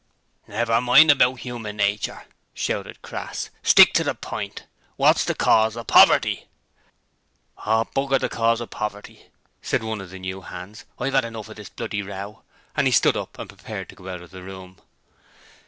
'Never mind about human nature,' shouted Crass. 'Stick to the point. Wot's the cause of poverty?' 'Oh, b r the cause of poverty!' said one of the new hands. 'I've 'ad enough of this bloody row.' And he stood up and prepared to go out of the room.